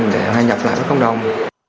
để hòa nhập lại với cộng đồng